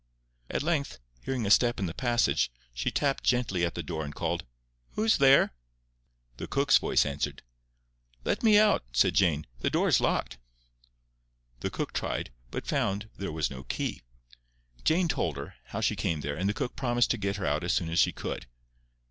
At length, hearing a step in the passage, she tapped gently at the door and called, "Who's there?" The cook's voice answered. "Let me out," said Jane. "The door's locked." The cook tried, but found there was no key. Jane told her how she came there, and the cook promised to get her out as soon as she could.